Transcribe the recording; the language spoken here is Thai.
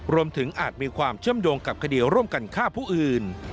อาจมีความเชื่อมโยงกับคดีร่วมกันฆ่าผู้อื่น